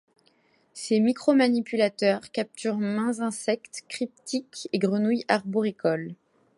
Ces micromanipulateurs capturent maints insectes cryptiques et grenouilles arboricoles.